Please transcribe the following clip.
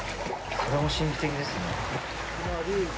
それも神秘的ですね。